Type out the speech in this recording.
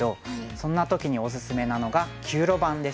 そんな時におすすめなのが９路盤です。